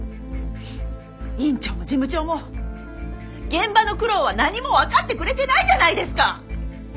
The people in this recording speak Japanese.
院長も事務長も現場の苦労は何もわかってくれてないじゃないですか！